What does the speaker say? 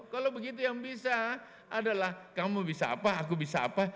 kalau begitu yang bisa adalah kamu bisa apa aku bisa apa